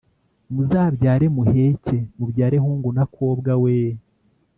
muzabyare muheke, mubyare hungu na kobwa weee